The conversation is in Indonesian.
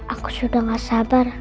aku sudah gak sabar